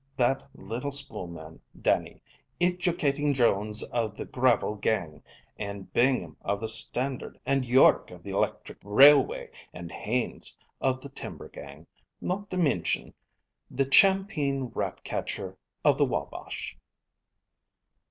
That little spool man, Dannie, iducatin' Jones of the gravel gang, and Bingham of the Standard, and York of the 'lectric railway, and Haines of the timber gang, not to mintion the champeen rat catcher of the Wabash."